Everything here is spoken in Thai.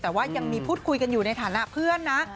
แต่ว่ายังมีพูดคุยกันอยู่ในฐานะเพื่อนนะ